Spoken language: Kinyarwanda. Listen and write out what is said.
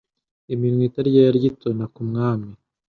Iminwa itaryarya itona ku mwami